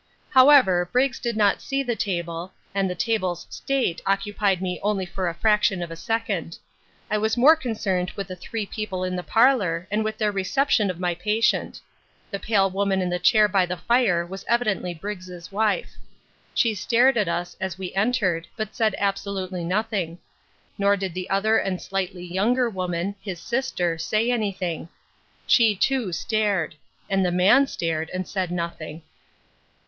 However, Briggs did not see the table, and the table's state occupied me only for a fraction of a second. I was more concerned with the three people in the parlour and with their reception of my patient. The pale woman in the chair by the fire was evidently Briggs's wife. She stared at us, as we entered, but said absolutely nothing. Nor did the other and slightly younger woman, his sister, say anything. She too stared. And the man stared, and said nothing.